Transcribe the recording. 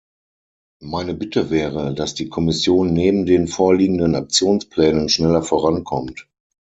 Meine Bitte wäre, dass die Kommission neben den vorliegenden Aktionsplänen schneller vorankommt.